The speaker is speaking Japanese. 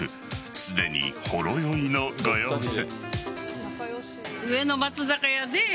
すでにほろ酔いのご様子。